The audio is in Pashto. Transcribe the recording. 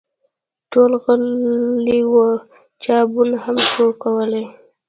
ټول غلي وه ، چا بوڼ هم شو کولی !